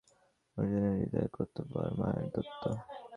অর্জুনের হৃদয়ে কর্তব্য আর মায়ার দ্বন্দ্ব।